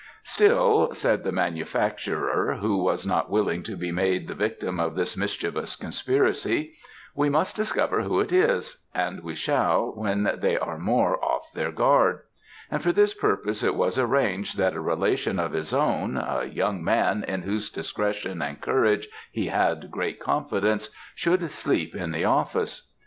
"'Still,' said the manufacturer, who was not willing to be made the victim of this mischievous conspiracy, 'we must discover who it is; and we shall, when they are more off their guard,' and for this purpose it was arranged that a relation of his own, a young man in whose discretion and courage he had great confidence should sleep in the office.